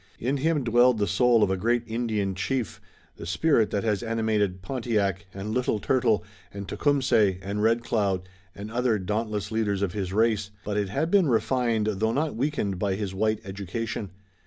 In him dwelled the soul of a great Indian chief, the spirit that has animated Pontiac, and Little Turtle, and Tecumseh and Red Cloud and other dauntless leaders of his race, but it had been refined though not weakened by his white education.